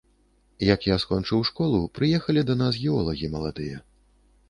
Як я скончыў школу, прыехалі да нас геолагі маладыя.